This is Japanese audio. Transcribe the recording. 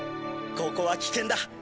ここは危険だ。